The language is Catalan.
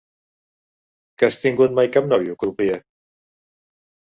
Que has tingut mai cap nòvio crupier?